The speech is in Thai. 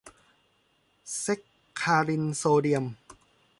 แซ็กคารินโซเดียม